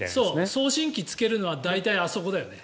送信機をつける場所は大体あそこだよね。